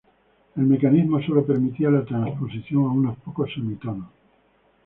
El mecanismo solo permitía la transposición a unos pocos semitonos.